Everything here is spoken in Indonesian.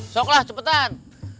sok lah cepetan